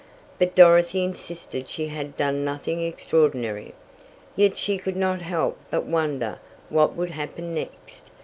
But Dorothy insisted she had done nothing extraordinary. Yet she could not help but wonder what would happen next.